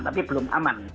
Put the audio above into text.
tapi belum aman